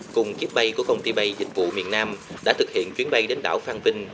cùng kiếp bay của công ty bay dịch vụ miền nam đã thực hiện chuyến bay đến đảo phan vinh